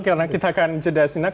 karena kita akan jeda sinak